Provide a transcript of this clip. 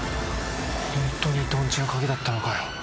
本当に伊藤んちの鍵だったのかよ。